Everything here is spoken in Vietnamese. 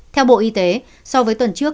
theo bộ y tế so với tuần trước